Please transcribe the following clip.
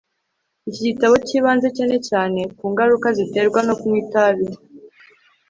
iki gitabo cyibanze cyane cyane ku ngaruka ziterwa no kunywa itabi